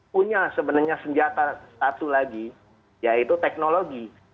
punya sebenarnya senjata satu lagi yaitu teknologi